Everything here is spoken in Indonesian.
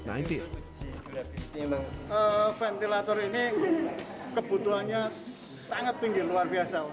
ventilator ini kebutuhannya sangat tinggi luar biasa